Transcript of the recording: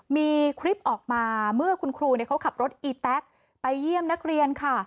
มีคลิปออกมาเมื่อคุณครูเขาขับรถอีแต๊กไปเยี่ยมนักเรียนค่ะ